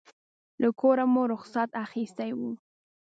له کوره مو رخصت اخیستی و.